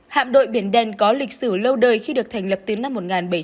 hạm đội biển đen có lịch sử lâu đời khi được thành lập từ năm một nghìn bảy trăm bảy mươi